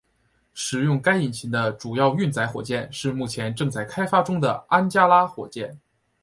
使用该引擎的主要运载火箭是目前正在开发中的安加拉火箭。